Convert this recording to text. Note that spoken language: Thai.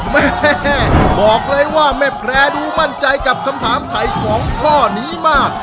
แม่บอกเลยว่าแม่แพร่ดูมั่นใจกับคำถามไถ่ของข้อนี้มาก